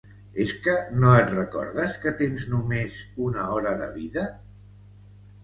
És que no et recordes que tens només una hora de vida?